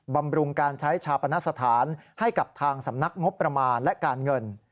บำรุงการใช้ชาปนสถานให้กับทางสำนักงบประมาณและการเงิน